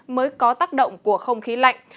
mới có tác động của không khí lạnh